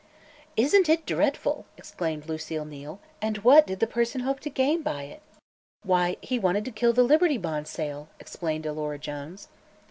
"Isn't it dreadful!" exclaimed Lucile Neal, "and what could the person hope to gain by it?" "Why, he wanted to kill the Liberty Bond sale," explained Alora Jones.